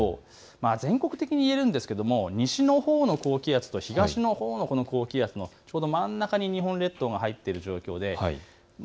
全国的に言えますが西のほうの高気圧と東のほうの高気圧、真ん中に日本列島が入っている状況です。